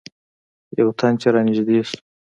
یو تن چې رانږدې شو.